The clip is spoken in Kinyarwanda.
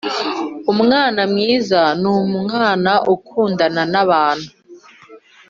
Umwana mwiza n umwana ukundana na abantu